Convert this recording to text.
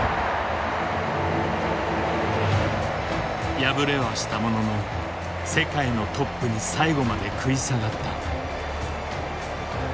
敗れはしたものの世界のトップに最後まで食い下がった。